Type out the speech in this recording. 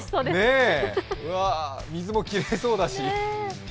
うわ、水もきれいそうだし。